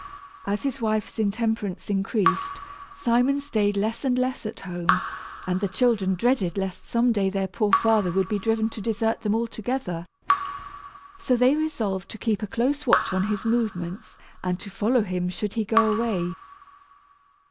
As his wife's intemperance increased, Simon stayed less and less at home, and the children dreaded lest some day their poor father would be driven to desert them altogether. So they resolved to keep a close watch on his movements, and to follow him should he go away.